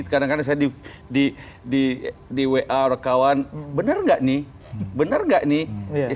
kadang kadang saya di wa rekawan benar nggak nih benar nggak nih